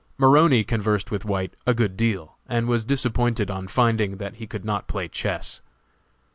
Maroney conversed with White a good deal, and was disappointed on finding that he could not play chess.